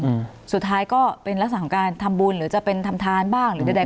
อืมสุดท้ายก็เป็นลักษณะของการทำบุญหรือจะเป็นทำทานบ้างหรือใดใด